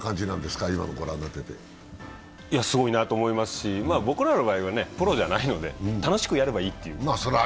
すごいなと思いますし、僕らの場合はプロじゃないので、楽しくやればいいという。